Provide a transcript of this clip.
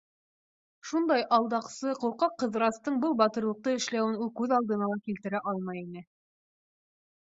Шундай алдаҡсы, ҡурҡаҡ Ҡыҙырастың был батырлыҡты эшләүен ул күҙ алдына ла килтерә алмай ине.